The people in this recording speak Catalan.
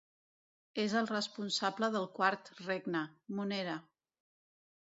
És el responsable del quart regne, Monera.